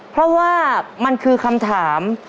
เพราะว่ามันคือคำถาม